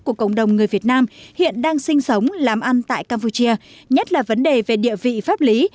của cộng đồng người việt nam hiện đang sinh sống làm ăn tại campuchia nhất là vấn đề về địa vị pháp lý